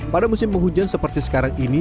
pada musim penghujan seperti sekarang ini